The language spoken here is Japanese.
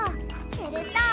すると。